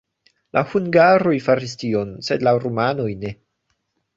La hungaroj faris tion, sed la rumanoj ne.